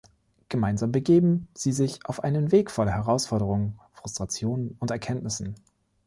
Gemeinsam begeben sie sich auf einen Weg voller Herausforderungen, Frustrationen und Erkenntnissen.